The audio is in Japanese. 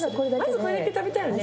まずこれだけ食べたいね。